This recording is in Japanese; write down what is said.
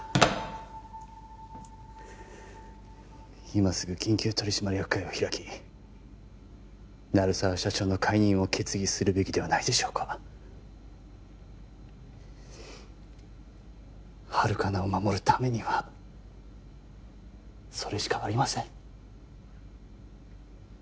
今すぐ緊急取締役会を開き鳴沢社長の解任を決議するべきではないでしょうかハルカナを守るためにはそれしかありません